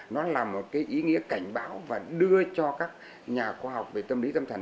nó là một cái ý nghĩa cảnh báo và đưa cho các nhà khoa học về tâm lý tâm thần